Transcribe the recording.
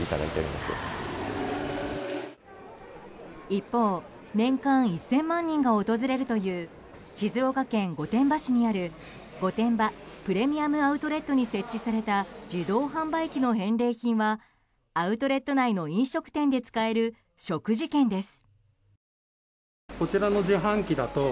一方、年間１０００万人が訪れるという静岡県御殿場市にある御殿場プレミアム・アウトレットに設置された自動販売機の返礼品はアウトレット内の飲食店で使える食事券です。